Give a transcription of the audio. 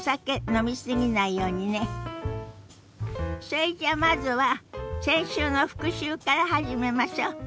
それじゃあまずは先週の復習から始めましょ。